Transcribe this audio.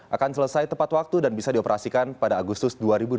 akan selesai tepat waktu dan bisa dioperasikan pada agustus dua ribu dua puluh